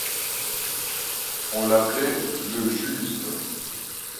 On l’appelait le Juste.